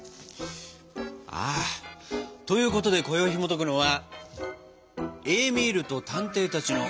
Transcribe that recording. あということでこよいひもとくのは「エーミールと探偵たち」のさくらんぼケーキ。